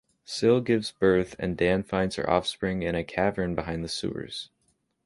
Sil gives birth and Dan finds her offspring in a cavern behind the sewers.